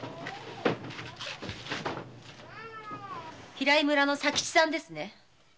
平井村の佐吉さんですね？